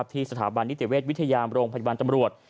ที่สถาบันนิตเวศวิทยาลมโรงพัฒนบันตร์จำรวจ